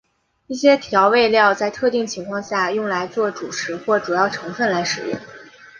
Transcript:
一些调味料在特定情况下用来作主食或主要成分来食用。